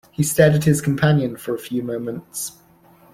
He stared at his companion for a few moments.